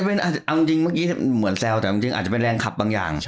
เมื่อกี้คือเหมือนแซวบอกแต่มันก็เป็นแรงครับบางอย่าง